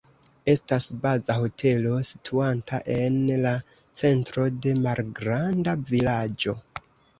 Estas baza hotelo situanta en la centro de malgranda vilaĝo.